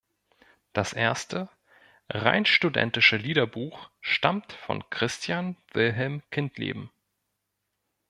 Das erste, rein studentische Liederbuch stammt von Christian Wilhelm Kindleben.